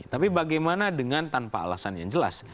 tapi bagaimana dengan tanpa alasan yang jelas